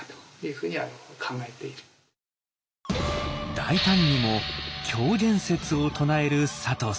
大胆にも狂言説を唱える佐藤さん。